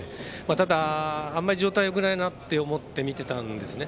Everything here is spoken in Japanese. ただ、あまり状態がよくないと思って見ていたんですね。